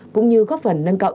cũng như góp phần nâng cao